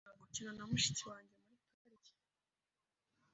Nakundaga gukina na mushiki wanjye muri parike.